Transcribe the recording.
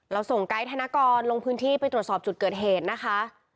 ส่งไกด์ธนกรลงพื้นที่ไปตรวจสอบจุดเกิดเหตุนะคะ